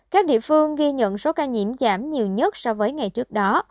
các địa phương ghi nhận số ca nhiễm giảm nhiều nhất so với ngày trước đó